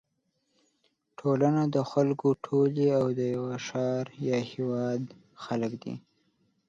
ټولنه د خلکو ټولی او د یوه ښار یا هېواد خلک دي.